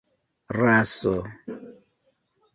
raso